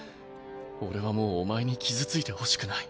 俺はもうお前に傷ついてほしくない。